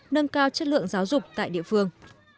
nâng cao chất lượng giáo dục tại địa phương